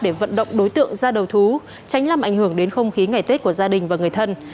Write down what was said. để vận động đối tượng ra đầu thú tránh làm ảnh hưởng đến không khí ngày tết của gia đình và người thân